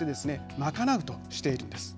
賄うとしているんです。